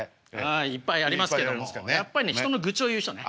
いっぱいありますけどもやっぱり人の愚痴を言う人ね。